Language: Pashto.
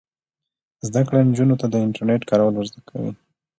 زده کړه نجونو ته د انټرنیټ کارول ور زده کوي.